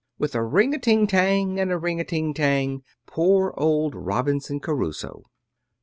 With a ring a ting tang, And a ring a ting tang, Poor old Robinson Crusoe!